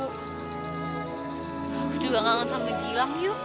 aku juga kangen sampai hilang yuk